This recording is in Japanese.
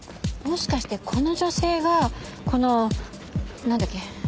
もしかしてこの女性がこのなんだっけ？